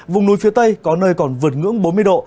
vùng núi phía tây có nơi còn vượt ngưỡng bốn mươi độ